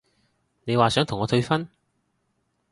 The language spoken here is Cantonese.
你話想同我退婚？